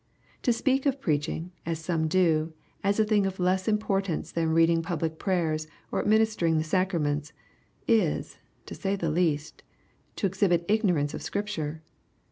To speak of preaching, as some do, as a thing of less importance than reading public prayers or administering the sacraments, is, to say the least, to exhibit ignorance of Scripture.